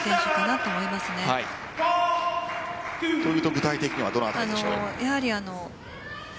というと具体的にはどの辺りでしょう？